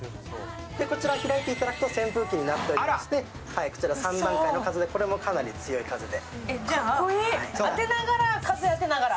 こちら開いていただくと扇風機になっておりまして、こちら、３段階の風で、かなり強い風で。